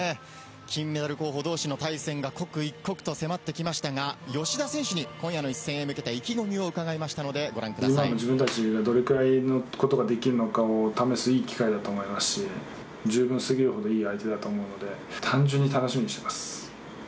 金メダル候補どうしの対戦が刻一刻と迫ってきましたが、吉田選手に今夜の一戦に向けた意気込みを伺いましたので、ご覧く自分たちがどれぐらいのことができるのかを試すいい機会だと思いますし、十分すぎるほどいい相手だと思うので、単純に楽しみにしています。